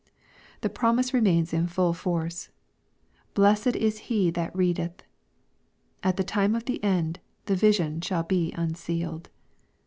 The promise remains in full force, " Blessed is he that readeth." At the time of the end, the vision shall be unsealed.